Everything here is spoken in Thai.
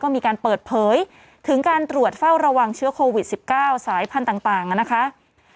มีการเปิดเผยถึงการตรวจเฝ้าระวังเชื้อโควิด๑๙สายพันธุ์ต่างนะคะ